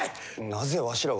なぜわしらが。